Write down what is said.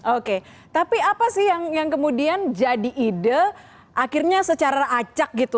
oke tapi apa sih yang kemudian jadi ide akhirnya secara acak gitu